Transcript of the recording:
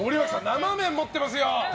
生麺を持ってますよ！